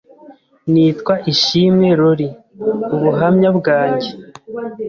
Nitwa ISHIMWE Lorie ubuhamya bwanjye